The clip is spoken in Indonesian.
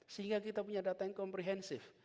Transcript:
sehingga kita punya data yang komprehensif